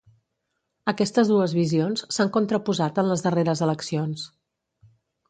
Aquestes dues visions s'han contraposat en les darreres eleccions